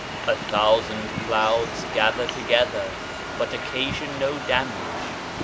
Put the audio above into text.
"A thousand clouds gather together, but occa sion no damage.